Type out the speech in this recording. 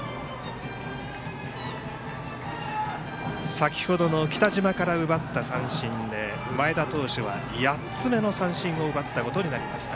先ほどの北島から奪った三振で前田投手は８つ目の三振を奪ったことになりました。